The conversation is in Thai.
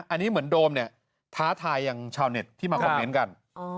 อันนี้เหมือนโดมเนี่ยท้าทายอย่างชาวเน็ตที่มาคอมเมนต์กัน